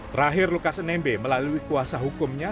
terakhir lukas nmb melalui kuasa hukumnya